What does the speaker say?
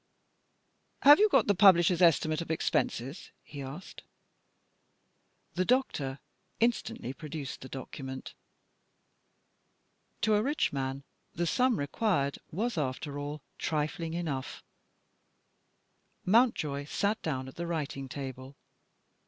"Have you got the publisher's estimate of expenses?" he asked. The doctor instantly produced the document. To a rich man the sum required was, after all, trifling enough. Mountjoy sat down at the writing table.